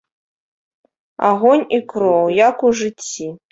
Агонь і кроў, як у жыцці.